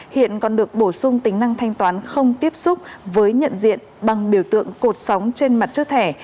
hiện còn được bổ sung tính năng thanh toán không tiếp xúc với nhận diện bằng biểu tượng cột sóng trên mặt trước thẻ